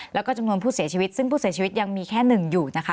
แล้วก็จำนวนผู้เสียชีวิตซึ่งผู้เสียชีวิตยังมีแค่หนึ่งอยู่นะคะ